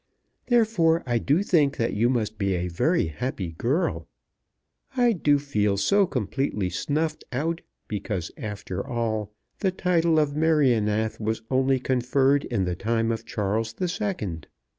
Therefore I do think that you must be a very happy girl. I do feel so completely snuffed out, because, after all, the title of Merioneth was only conferred in the time of Charles the Second.